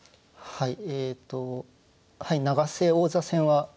はい。